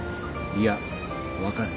いや分かる。